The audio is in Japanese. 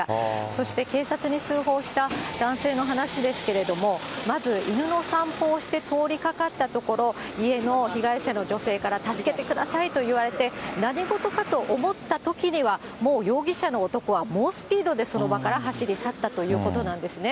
そして警察に通報した男性の話ですけれども、まず犬の散歩をして通りかかったところ、家の被害者の女性から、助けてくださいと言われて、何事かと思ったときには、もう容疑者の男は猛スピードでその場から走り去ったということなんですね。